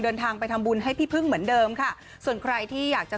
เดินทางไปทำบุญให้พี่พึ่งเหมือนเดิมค่ะส่วนใครที่อยากจะ